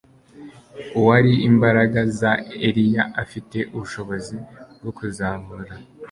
Uwari imbaraga za Eliya afite ubushobozi bwo kuzahura